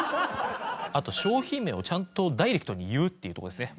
あと商品名をちゃんとダイレクトに言うっていうところですね